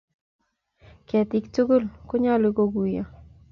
Ketiik tugul konyolu koguiyo.